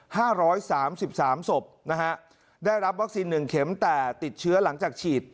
ห้าร้อยสามสิบสามศพนะฮะได้รับวัคซีนหนึ่งเข็มแต่ติดเชื้อหลังจากฉีด